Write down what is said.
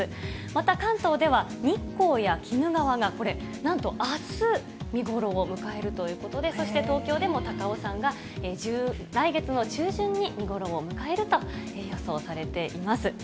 また関東では、日光や鬼怒川がこれ、なんとあす、見頃を迎えるということで、そして東京でも高尾山が来月の中旬に見頃を迎えると予想されています。